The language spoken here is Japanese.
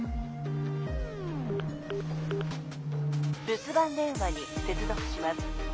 留守番電話に接続します。